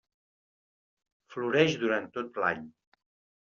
Floreix durant tot l'any.